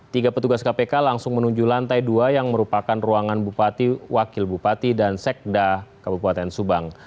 tiga petugas kpk langsung menuju lantai dua yang merupakan ruangan bupati wakil bupati dan sekda kabupaten subang